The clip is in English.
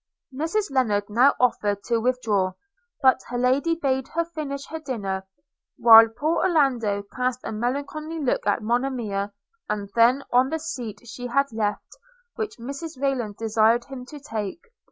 Mrs Lennard now offered to withdraw; but her lady bade her finish her dinner, while poor Orlando cast a melancholy look after Monimia, and then on the seat she had left, which Mrs Rayland desired him to take.